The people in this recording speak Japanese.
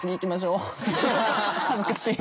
恥ずかしい。